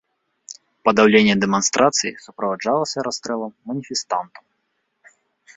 Падаўленне дэманстрацый суправаджалася расстрэлам маніфестантаў.